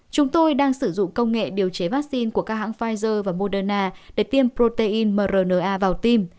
chúng tôi đang sử dụng công nghệ điều chế vaccine của các hãng pfizer và moderna để tiêm protein mrna vào tim